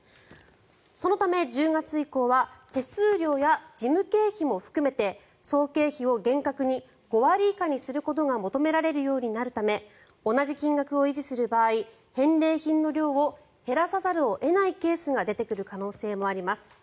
そのため、１０月以降は手数料や事務経費も含めて総経費を厳格に５割以下にすることが求められるようになるため同じ金額を維持する場合返礼品の量を減らさざるを得ないケースが出てくる可能性もあります。